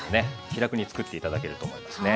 気楽に作って頂けると思いますね。